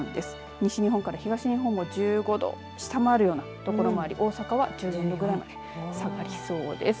西日本から東日本も１５度を下回るようなところもあり大阪は１５度ぐらいまで下がりそうです。